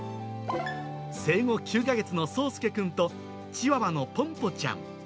生後９か月のそうすけくんと、チワワのぽんぽちゃん。